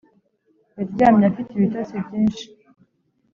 yaryamye afite ibitotsi byinshi